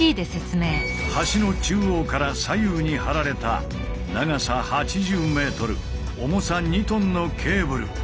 橋の中央から左右に張られた長さ８０ｍ重さ２ｔのケーブル